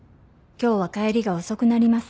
「今日は帰りが遅くなります」